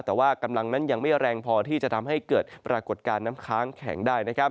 แต่ว่ากำลังนั้นยังไม่แรงพอที่จะทำให้เกิดปรากฏการณ์น้ำค้างแข็งได้